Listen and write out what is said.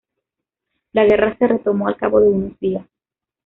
La Guerra se retomó al cabo de unos días.